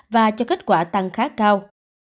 và cho kết quả tăng khá cao